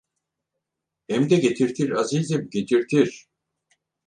Hem de getirtir azizim, getirtir…